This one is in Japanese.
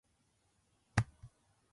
修学旅行で京都に行く。